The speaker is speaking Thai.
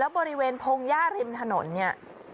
แล้วบริเวณพงศ์ย่าริมถนนเนี่ย